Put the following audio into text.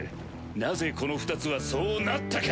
なぜこの二つはそうなったか。